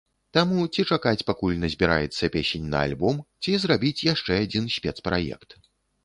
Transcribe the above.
Таму, ці чакаць, пакуль назбіраецца песень на альбом, ці зрабіць яшчэ адзін спецпраект.